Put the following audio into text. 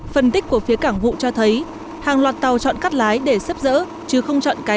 phân tích của phía cảng vụ cho thấy hàng loạt tàu chọn cắt lái để xếp giữ hàng hóa như thế này